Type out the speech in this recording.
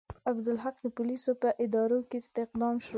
عبدالحق د پولیسو په اداره کې استخدام شو.